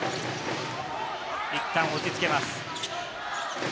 いったん落ち着けます。